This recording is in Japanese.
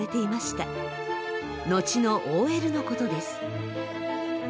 後のＯＬのことです。